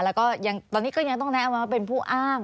แล้วก็ตอนนี้ก็ยังต้องแนะนำว่าเป็นผู้อ้าง